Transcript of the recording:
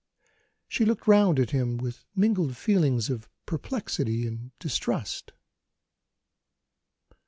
She looked round at him with mingled feelings of perplexity and distrust.